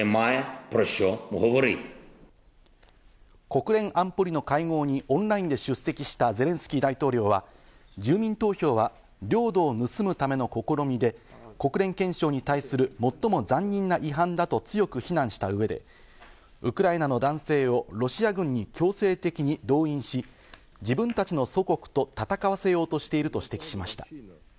国連安保理の会合にオンラインで出席したゼレンスキー大統領は、住民投票は領土を盗むための試みで、国連憲章に対する最も残忍な違反だと強く非難した上で、ウクライナの男性をロシア軍に強制的に動員し、自分たちの祖国と戦わせようとしていると指摘しました。